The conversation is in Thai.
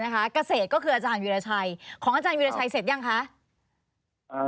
เกษตรก็คืออาจารย์วิราชัยของอาจารย์วิราชัยเสร็จยังคะ